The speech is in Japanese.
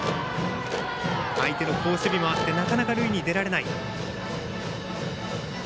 相手の好守備もあって、なかなか塁に出られない。